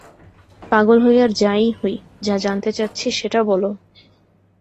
পাগল হই আর যা-ই হই, যা জানতে চাচ্ছি সেটা বল!